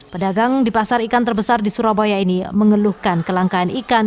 pedagang di pasar ikan terbesar di surabaya ini mengeluhkan kelangkaan ikan